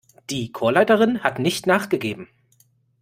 Die Chorleiterin hat nicht nachgegeben.